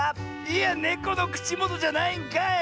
いやネコのくちもとじゃないんかい！